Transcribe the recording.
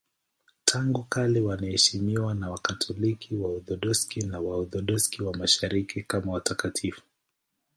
Tangu kale wanaheshimiwa na Wakatoliki, Waorthodoksi na Waorthodoksi wa Mashariki kama watakatifu.